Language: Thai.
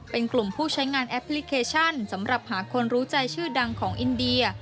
เป็นกลุ่มผู้ใช้งานแอปพลิเคชันสำหรับหาคนรู้ใจชื่อดังของอินเดีย